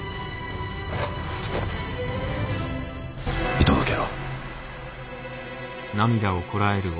見届けろ。